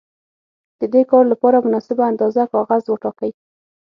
د دې کار لپاره مناسبه اندازه کاغذ وټاکئ.